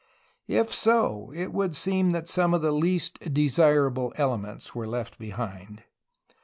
If so, it would seem that some of the least desirable elements were left behind.